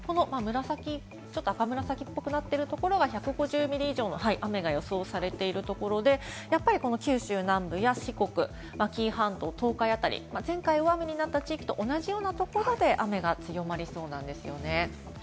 赤紫っぽくなってるところが１５０ミリ以上の雨が予想されているところで、やっぱり九州南部や四国、紀伊半島、東海あたり、前回、大雨になった地域と同じようなところで雨が強まりそうなんです。